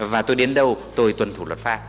và tôi đến đâu tôi tuần thủ luật pháp